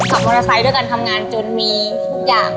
มอเตอร์ไซค์ด้วยการทำงานจนมีทุกอย่าง